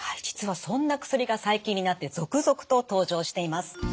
実はそんな薬が最近になって続々と登場しています。